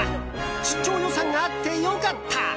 出張予算があって良かった！